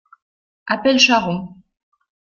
Appelle Charron.